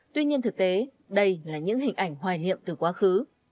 tuy nhiên thực tế đây là những hình ảnh hoài niệm từ quá khứ